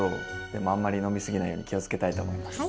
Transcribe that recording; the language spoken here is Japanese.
でもあんまり飲み過ぎないように気をつけたいと思います。